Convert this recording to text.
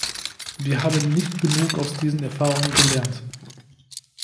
Wir haben nicht genug aus diesen Erfahrungen gelernt.